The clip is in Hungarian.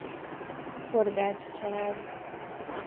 Forgács család.